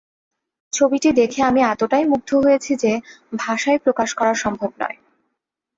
ছবিটি দেখে আমি এতটাই মুগ্ধ হয়েছি যে, ভাষায় প্রকাশ করা সম্ভব নয়।